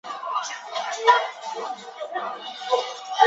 最快的汽油动力汽车是由驾驶的标致汽车。